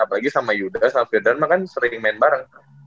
apalagi sama yuda sama firdan mah kan sering main bareng